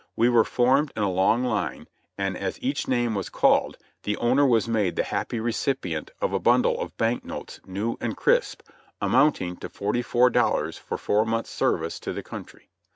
We were formed in a long line, and as each name was called the owner was made the happy recipient of a bundle of bank notes new and crisp, amounting to forty four dollars for four months' service to the country.